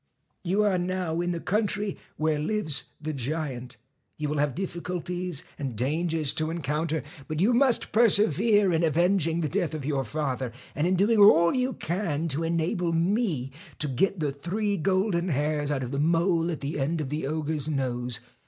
'You are now in the country where lives the giant. 'You will have difficulties and dangers to en counter, but you must persevere in avenging the death of your father, and in doing all you can to enable me to get the three gold hairs out of the mole at the end of the ogre's nose.